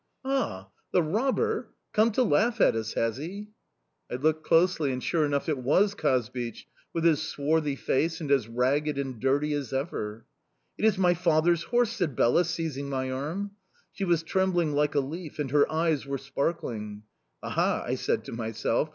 "'Ah, the robber! Come to laugh at us, has he?' "I looked closely, and sure enough it was Kazbich, with his swarthy face, and as ragged and dirty as ever. "'It is my father's horse!' said Bela, seizing my arm. "She was trembling like a leaf and her eyes were sparkling. "'Aha!' I said to myself.